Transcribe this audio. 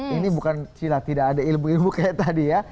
ini bukan cina tidak ada ilmu ilmu kayak tadi ya